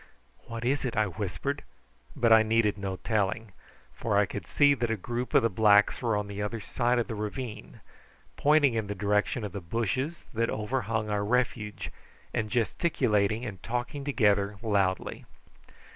"What is it?" I whispered; but I needed no telling, for I could see that a group of the blacks were on the other side of the ravine, pointing in the direction of the bushes that overhung our refuge, and gesticulating and talking together loudly.